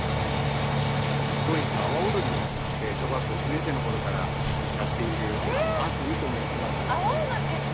高円寺の阿波おどりを小学校１年生のころからやっている安住と申します。